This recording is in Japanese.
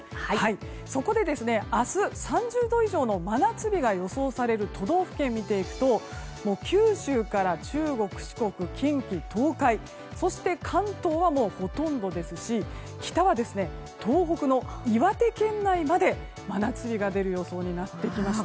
そこで、明日３０度以上の真夏日が予想される都道府県を見ていくと九州から中国、四国近畿・東海そして関東はほとんどですし北は東北の岩手県内まで真夏日が出る予想になってきました。